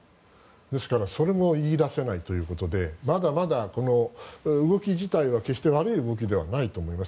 ですから、それも言い出せないということでまだまだ、この動き自体は決して悪い動きではないと思います。